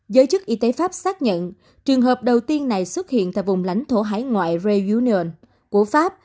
giới chức y tế pháp xác nhận trường hợp đầu tiên này xuất hiện tại vùng lãnh thổ hải ngoại regunion của pháp